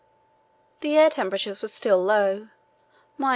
The air temperatures were still low, –24.